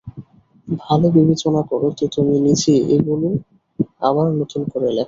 ভাল বিবেচনা কর তো তুমি নিজে ওগুলি আবার নতুন করে লেখ।